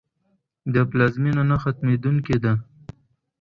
د پلار مینه نه ختمېدونکې ده.